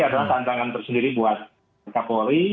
adalah tantangan tersendiri buat kapolri